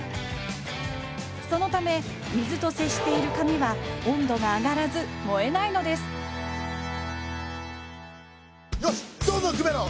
そのため水と接している紙は温度が上がらず燃えないのですよしどんどんくべろ！